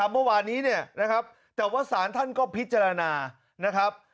เมื่อวานี้ศาลท่านก็พิจารณา